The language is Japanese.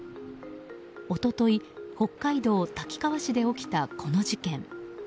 一昨日、北海道滝川市で起きたこの事件。